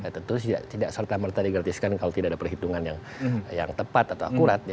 tentu tidak serta merta digratiskan kalau tidak ada perhitungan yang tepat atau akurat